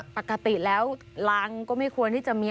ปกติแล้วรังก็ไม่ควรที่จะมี